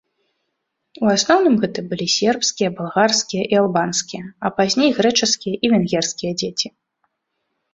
У асноўным гэта былі сербскія, балгарскія і албанскія, а пазней грэчаскія і венгерскія дзеці.